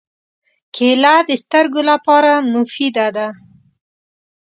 کېله د سترګو لپاره مفیده ده.